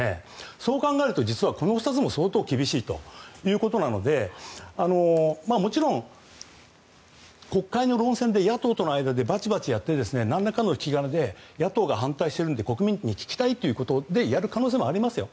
そう考えると実はこの２つも相当厳しいということなのでもちろん、国会の論戦で野党との間でバチバチやって何らかの引き金で野党が反対するので国民に聞きたいということでやる可能性もありますよ。